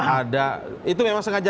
ada itu memang